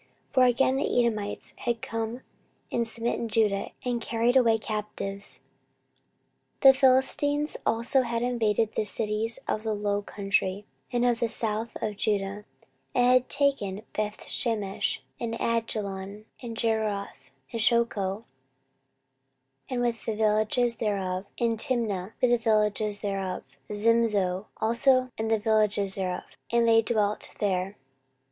14:028:017 For again the Edomites had come and smitten Judah, and carried away captives. 14:028:018 The Philistines also had invaded the cities of the low country, and of the south of Judah, and had taken Bethshemesh, and Ajalon, and Gederoth, and Shocho with the villages thereof, and Timnah with the villages thereof, Gimzo also and the villages thereof: and they dwelt there.